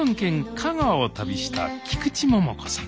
香川を旅した菊池桃子さん